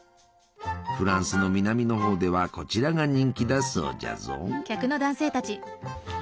フランスの南のほうではこちらが人気だそうじゃぞ。